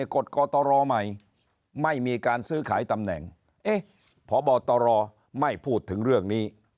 กฎกตรใหม่ไม่มีการซื้อขายตำแหน่งพบตรไม่พูดถึงเรื่องนี้